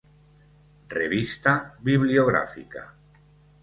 Revista bibliográfica.